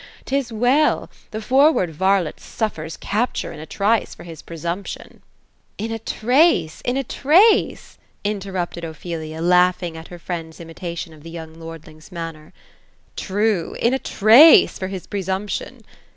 'Tis well; the forward varlet suffers capture in a trice, for his presumption." THE ROSE OF ELSINORE. 249 '^ In ' a trace ! in a trace !'" interrupted Ophelia, laughing at her friends's imitation of the young lordling's manner. " True ;^ in a trace, for his presumption.'